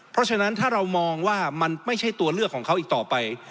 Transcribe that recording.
เพราะฉะนั้นถ้าเรามองว่ามันไม่ใช่ตัวเลือกของเขาอีกต่อไป